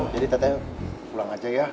jadi teh pulang aja ya